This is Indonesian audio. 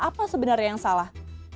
apa sebenarnya yang salah